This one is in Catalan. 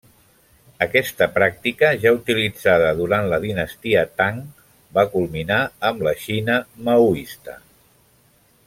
Aquesta pràctica, ja utilitzada durant la dinastia Tang, va culminar amb la Xina maoista.